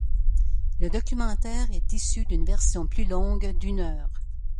Le documentaire est issu d'une version plus longue d'une heure.